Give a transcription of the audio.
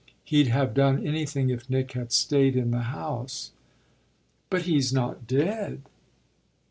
"He'd have done anything if Nick had stayed in the House." "But he's not dead?"